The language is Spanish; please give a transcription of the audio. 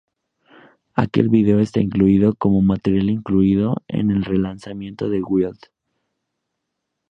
Aquel video está incluido como Material Incluido en el relanzamiento de 'Wild!